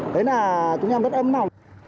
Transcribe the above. đấy là chúng em rất âm mộng